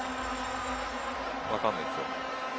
分からないですよ。